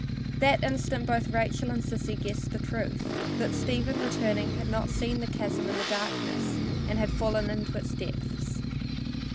That instant both Rachel and Sissy guessed the truth that Stephen, returning, had not seen the chasm in the darkness, and had fallen into its depths.